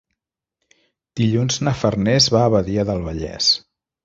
Dilluns na Farners va a Badia del Vallès.